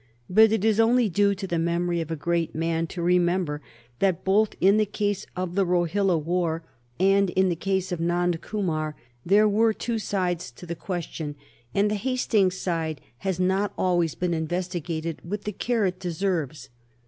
But it is only due to the memory of a great man to remember that both in the case of the Rohilla war and in the case of Nand Kumar there were two sides to the question, and that Hastings's side has not always been investigated with the care it deserves.